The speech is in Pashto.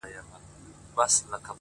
چي خپلي سپيني او رڼې اوښـكي يې _